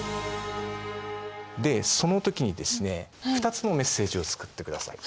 でその時にですね２つのメッセージを作ってください。